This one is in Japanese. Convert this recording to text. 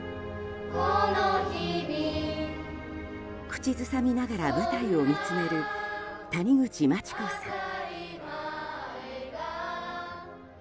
口ずさみながら舞台を見つめる谷口真知子さん。